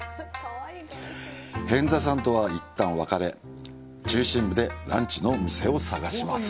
平安座さんとは一旦別れ、中心部でランチの店を探します。